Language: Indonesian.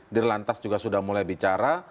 dir lantas juga sudah mulai bicara